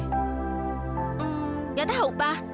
hmm nggak tahu pa